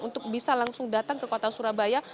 untuk bisa langsung datang ke kota surabaya